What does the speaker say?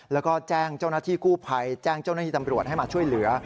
แล้วก็แจ้งเจ้าหน้าที่กู้ภัยแจ้งเจ้าหน้าที่ตำรวจให้มาช่วยเหลือ